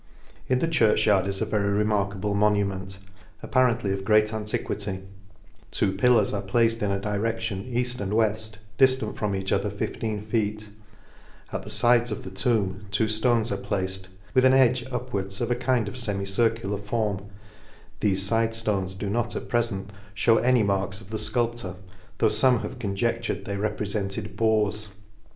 In the church yard is a very remarka ble monument, apparently of great anti quity ;— two pillars are placed in a direc tion, eaft and weft, diftant from each other fifteen feet;— at the fides of the tomb two ftones are placed, with an edge upwards, of a kind of femicircular form :— Thefe fide ftones do not, at prefent, £hew any marks of the fculptor, tho' fome have conjectured they reprefented boars.